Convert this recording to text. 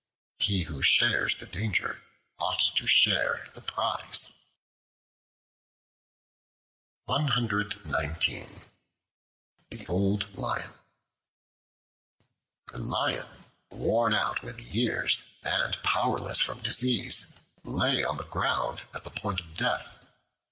He who shares the danger ought to share the prize. The Old Lion A LION, worn out with years and powerless from disease, lay on the ground at the point of death.